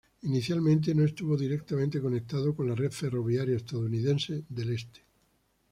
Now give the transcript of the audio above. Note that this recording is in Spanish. Inicialmente no estuvo directamente conectado con la red ferroviaria estadounidense del Este.